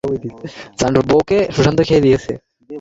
যাই হোক, বাকি, আমি এবার কয়েকটা শাগরেদ পেয়েছি।